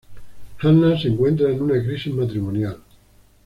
Hanna se encuentra en una crisis matrimonial.